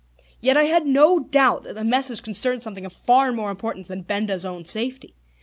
Yet I had no doubt that the message concerned something of far more importance than Benda's own safety.